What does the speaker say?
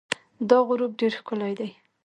دا غروب ډېر ښکلی دی.